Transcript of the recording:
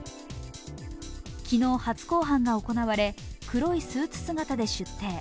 昨日、初公判が行われ黒いスーツ姿が出廷。